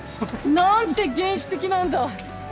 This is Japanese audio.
なんて原始的なんだ。